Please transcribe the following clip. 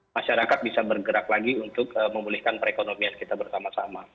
masyarakat bisa bergerak lagi untuk memulihkan perekonomian kita bersama sama